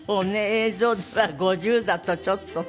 映像では５０だとちょっとね。